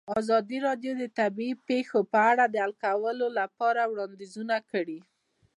ازادي راډیو د طبیعي پېښې په اړه د حل کولو لپاره وړاندیزونه کړي.